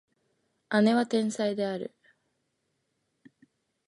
姉は天才である